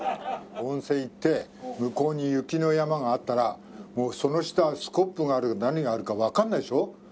温泉行って向こうに雪の山があったらもうその下スコップがある何があるかわかんないでしょ？